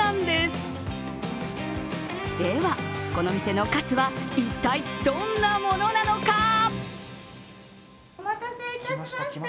では、この店のカツは一体どんなものなのか？